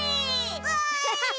わい！